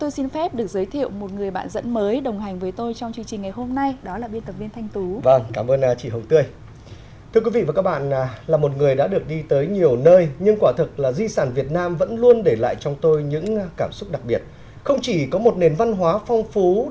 xin được trân trọng giới thiệu nhà báo nguyễn hồng vĩnh trưởng ban ảnh báo tiền phòng